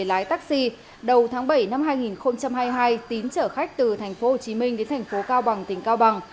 lái taxi đầu tháng bảy năm hai nghìn hai mươi hai tín trở khách từ thành phố hồ chí minh đến thành phố cao bằng tỉnh cao bằng